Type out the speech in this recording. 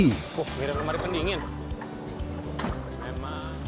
oh mirip lemari pendingin